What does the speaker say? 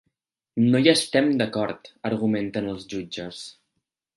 No hi estem d’acord, argumenten els jutges.